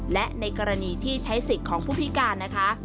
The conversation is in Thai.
และในกรณีที่ใช้สิทธิ์ของผู้พิการนะคะ